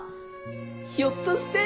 ひょっとして。